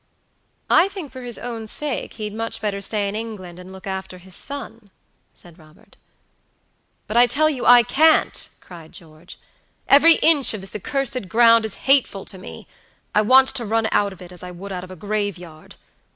"I think for his own sake he'd much better stay in England and look after his son," said Robert. "But I tell you I can't," cried George; "every inch of this accursed ground is hateful to meI want to run out of it as I would out of a graveyard.